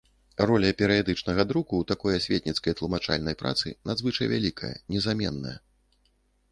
Роля перыядычнага друку ў такой асветніцкай, тлумачальнай працы надзвычай вялікая, незаменная.